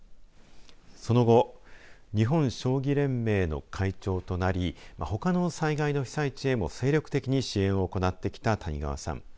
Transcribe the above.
その後日本将棋連盟の会長となりほかの災害の被災地へも精力的に支援を行ってきた谷川さん。